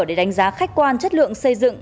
để đánh giá khách quan chất lượng xây dựng